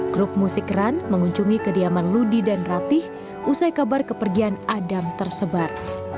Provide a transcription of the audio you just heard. grup musik ran mengunjungi kediaman ludi dan ratih usai kabar kepergian adam tersebar